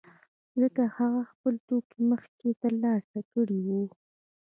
ځکه هغه خپل توکي مخکې ترلاسه کړي وو